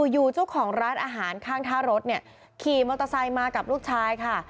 อยู่เจ้าของร้านอาหารข้างท่ารถเนี่ยขี่มอเตอร์ไซค์มากับลูกชายค่ะ